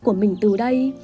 của mình từ đây